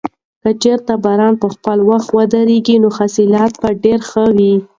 که چېرې باران په خپل وخت وورېږي نو حاصلات به ډېر ښه وي.